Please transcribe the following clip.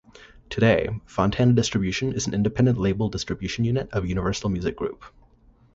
Today, Fontana Distribution is an independent label distribution unit of Universal Music Group.